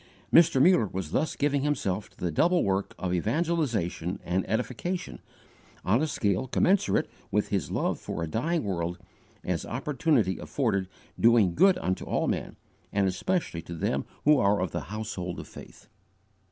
Mr. Muller was thus giving himself to the double work of evangelization and edification, on a scale commensurate with his love for a dying world, as opportunity afforded doing good unto all men, and especially to them who are of the household of faith.